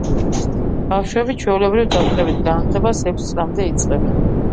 ბავშვები, ჩვეულებრივ, დაწყებით განათლებას ექვს წლამდე იწყებენ.